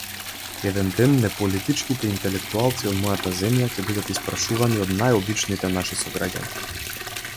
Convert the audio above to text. Еден ден неполитичките интелектуалци од мојата земја ќе бидат испрашувани од најобичните наши сограѓани.